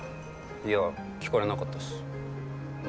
いや聞かれなかったしま